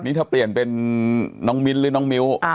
นี่ถ้าเปลี่ยนเป็นน้องมิ้นหรือน้องมิ้ว